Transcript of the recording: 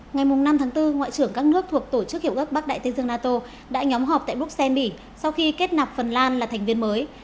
ngày năm tháng bốn ngoại trưởng các nước thuộc tổ chức hiệu ước bắc đại tây dương nato đã nhóm họp tại bruxelles bỉ sau khi kết nạp phần lan là thành viên mới